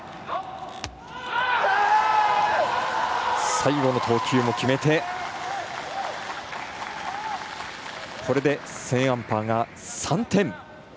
最後の投球も決めてこれでセーンアンパーが３点。